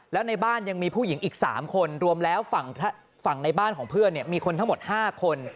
แล้วในบ้านยังมีผู้หญิงอีก๓คนรวมแล้วฝั่งในบ้านของเพื่อนมีคนทั้งหมด๕คน